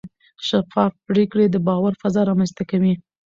شفاف پریکړې د باور فضا رامنځته کوي.